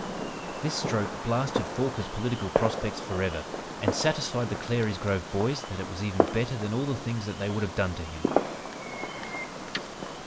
This stroke blasted Forquer's political prospects forever, and satisfied the Clary's Grove Boys that it was even better than all the things they would have done to him.